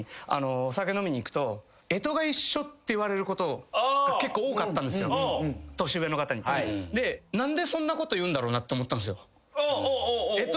お酒飲みに行くと。って言われること多かったんですよ年上の方に。何でそんなこと言うんだろうなと思ったんすよ。